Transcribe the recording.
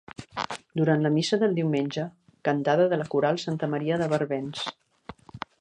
Durant la missa del diumenge, cantada de la Coral Santa Maria de Barbens.